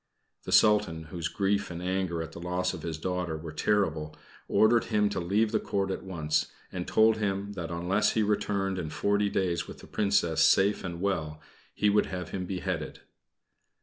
The Sultan, whose grief and anger at the loss of his daughter were terrible, ordered him to leave the Court at once, and told him that unless he returned in forty days with the Princess safe and well, he would have him beheaded.